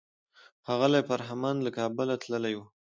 ښاغلی فرهمند له کابله تللی و.